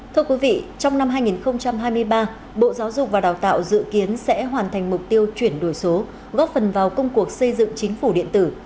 thưa quý vị trong năm hai nghìn hai mươi ba bộ giáo dục và đào tạo dự kiến sẽ hoàn thành mục tiêu chuyển đổi số góp phần vào công cuộc xây dựng chính phủ điện tử